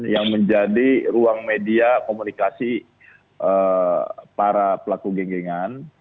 yang menjadi ruang media komunikasi para pelaku genggengan